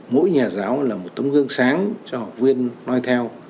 mỗi nhà giáo là một tấm gương sáng cho học viên nói theo